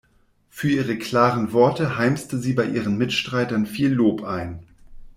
Für ihre klaren Worte heimste sie bei ihren Mitstreitern viel Lob ein.